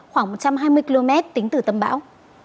khoảng một trăm hai mươi km tính từ tâm bão